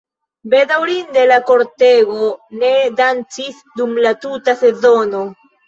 Bedaŭrinde, la kortego ne dancis dum la tuta sezono.